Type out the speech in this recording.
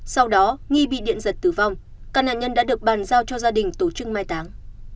sau đó nghi bị điện giật tử vong các nạn nhân đã được bàn giao cho gia đình tổ chức mai táng